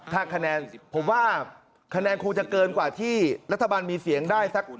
ถ้าคะแนนผมว่าคะแนนคงจะเกินกว่าที่รัฐบาลมีเสียงได้สัก